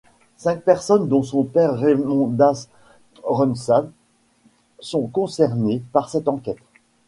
Cinq personnes dont son père Raimondas Rumšas sont concernées par cette enquête.